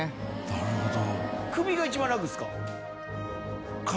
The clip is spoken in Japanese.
なるほど。